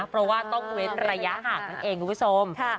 เพราะว่าต้องเว้นระยะห่างนั่นเองคุณผู้ชม